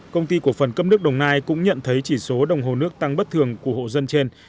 công ty cổ phần cấp nước đồng nai cũng nhận thấy chỉ số đồng hồ nước tăng bất thường của hộ dân trên